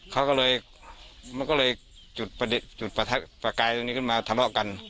เขาก็เลยมันก็เลยจุดประกายตรงนี้ขึ้นมาทะเลาะกัน